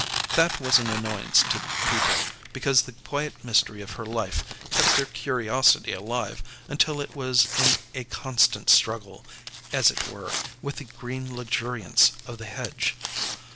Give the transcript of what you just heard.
That was an annoyance to people, because the quiet mystery of her life kept their curiosity alive, until it was in a constant struggle, as it were, with the green luxuriance of the hedge.